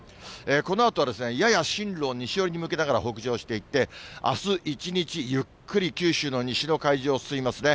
このあとは、やや進路を西寄りに向けながら北上していって、あす一日、ゆっくり九州の西の海上を進みますね。